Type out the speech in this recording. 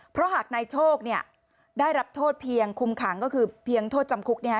เพราะหากนายโชคเนี่ยได้รับโทษเพียงคุมขังก็คือเพียงโทษจำคุกเนี่ย